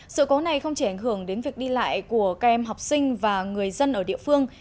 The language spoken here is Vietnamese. sự cố này không chỉ ảnh hưởng đến việc đi lại của các em học sinh và người dân ở địa phương